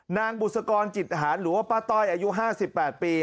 นางบุษกรจิตหารหรือว่าป้าต้อยอายุ๕๘ปี